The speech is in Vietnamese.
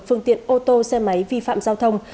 phương tiện ô tô xe máy vi phạm giao thông